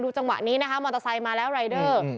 จังหวะนี้นะคะมอเตอร์ไซค์มาแล้วรายเดอร์